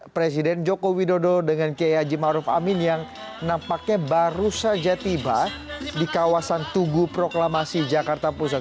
presiden joko widodo dengan kiai haji maruf amin yang nampaknya baru saja tiba di kawasan tugu proklamasi jakarta pusat